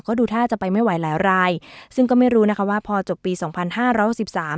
ก็ดูท่าจะไปไม่ไหวหลายรายซึ่งก็ไม่รู้นะคะว่าพอจบปีสองพันห้าร้อยหกสิบสาม